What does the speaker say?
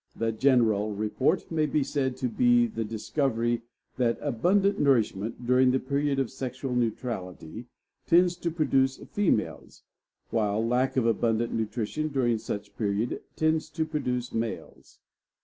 The general report may be said to be the discovery that ABUNDANT NOURISHMENT DURING THE PERIOD OF SEXUAL NEUTRALITY TENDS TO PRODUCE FEMALES; WHILE LACK OF ABUNDANT NUTRITION DURING SUCH PERIOD TENDS TO PRODUCE MALES.